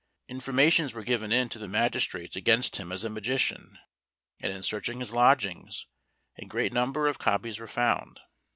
Informations were given in to the magistrates against him as a magician; and in searching his lodgings a great number of copies were found.